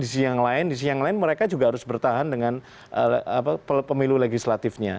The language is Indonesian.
di sisi yang lain mereka juga harus bertahan dengan pemilu legislatifnya